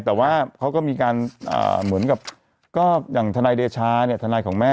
แต่ว่าเขาก็มีการเหมือนกับก็อย่างทนายเดชาเนี่ยทนายของแม่